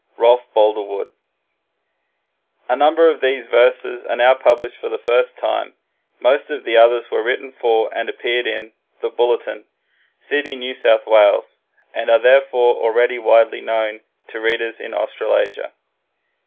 Rolf Boldrewood A number of these verses are now published for the first time, most of the others were written for and appeared in "The Bulletin" (Sydney, N.S.W.), and are therefore already widely known to readers in Australasia.